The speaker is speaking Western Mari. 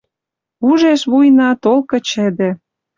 Ужеш вуйна, толкы чӹдӹ.